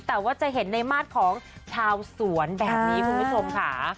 แต่ว่าจะเห็นในมาตรของชาวสวนแบบนี้คุณผู้ชมค่ะ